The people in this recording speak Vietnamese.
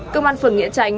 công an phường nghĩa chánh